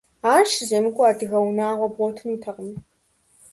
Ар щыземыкӀуэ адыгэ унагъуэ бгъуэтынутэкъым.